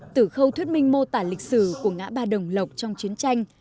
từ khâu thuyết minh mô tả lịch sử của ngã ba đồng lộc trong chiến tranh